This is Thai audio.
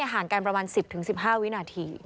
ห่างกันประมาณ๑๐๑๕วินาที